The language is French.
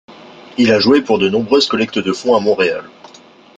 Il a joué pour de nombreuses collectes de fonds à Montréal.